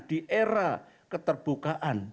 di era keterbukaan